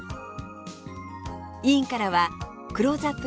委員からはクローズアップ